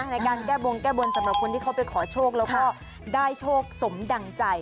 ในการแก้บงแก้บนสำหรับคนที่เขาไปขอโชคแล้วก็ได้โชคสมดั่งใจ